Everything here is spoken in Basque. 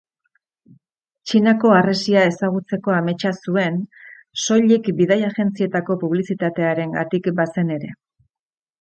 Txinako harresia ezagutzeko ametsa zuen, soilik bidai agentzietako publizitatearengatik bazen ere.